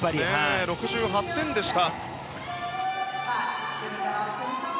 ６８点でした。